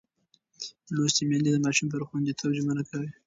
لوستې میندې د ماشوم پر خوندیتوب ژمنه ده.